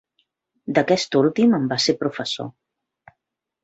D'aquest últim en va ser professor.